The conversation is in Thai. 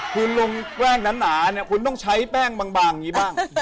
คุณลงแป้งนั้นหนาคุณต้องใช้แป้งบางเนี้ยบ้าง